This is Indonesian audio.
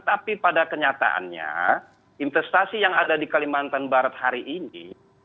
tapi pada kenyataannya investasi yang ada di kalimantan barat hari ini